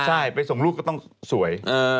ใช่ไปส่งลูกก็ต้องสวย